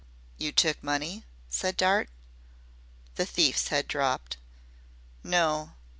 "You took money?" said Dart. The thief's head dropped. "No.